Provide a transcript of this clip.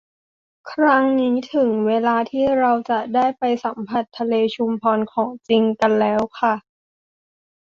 ครั้งนี้ถึงเวลาที่เราจะได้ไปสัมผัสทะเลชุมพรของจริงกันแล้วค่ะ